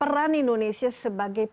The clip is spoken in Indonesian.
peran indonesia sebagai negara negara